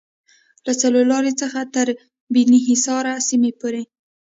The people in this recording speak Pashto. له څلورلارې څخه تر بیني حصار سیمې پورې